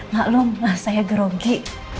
mbakluum lah saya gerogi